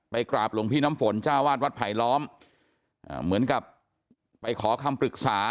กราบหลวงพี่น้ำฝนเจ้าวาดวัดไผลล้อมเหมือนกับไปขอคำปรึกษา